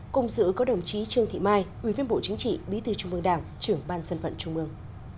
cùng giữ có đồng chí trương thị mai ubnd bí thư trung ương đảng trưởng ban sân vận trung ương